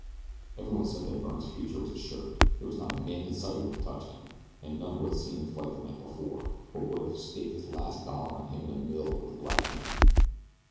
Everyone said that Byrne's future was assured. There was not a man in sight who could touch him, and none who had seen him fight the night before but would have staked his last dollar on him in a mill with the black champion.